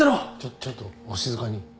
ちょっとお静かに。